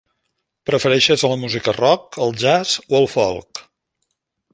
Prefereixes la música rock, el jazz o el folk?